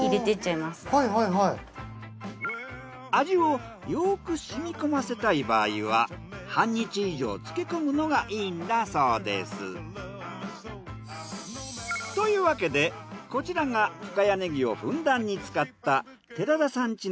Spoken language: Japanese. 味をよくしみ込ませたい場合は半日以上漬け込むのがいいんだそうです。というわけでこちらが深谷ねぎをふんだんに使った寺田さん